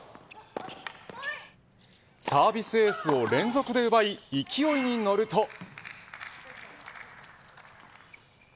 サービスエースを連続で奪い勢いに乗ると。